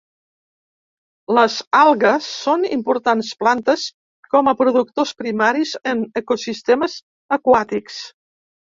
Les algues són importants plantes com a productors primaris en ecosistemes aquàtics.